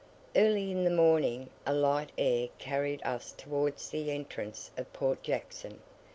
Early in the morning a light air carried us towards the entrance of Port Jackson.